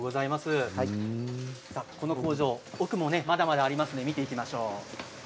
この工場、奥もまだまだありますので見ていきましょう。